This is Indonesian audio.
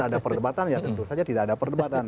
ada perdebatan ya tentu saja tidak ada perdebatan